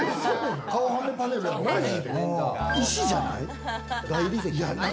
石じゃない？